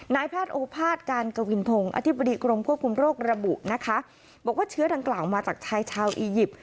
นายแพทย์โอภาษย์การกวินพงศ์อธิบดีกรมควบคุมโรคระบุนะคะบอกว่าเชื้อดังกล่าวมาจากชายชาวอียิปต์